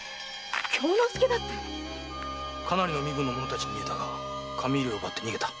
京之介だって⁉かなりの身分の者たちと見えたが紙入れを奪って逃げた。